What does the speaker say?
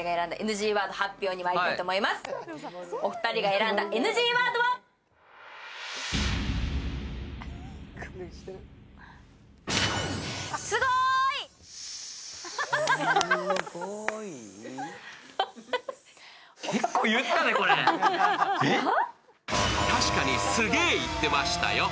お二人が選んだＮＧワードは確かに、すげー言ってましたよ。